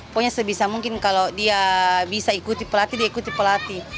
pokoknya sebisa mungkin kalau dia bisa ikuti pelatih dia ikuti pelatih